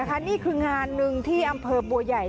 อันเคราะห์หนึ่งที่อำเภอบัวใหญ่